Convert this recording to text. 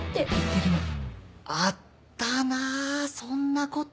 あったなそんなこと。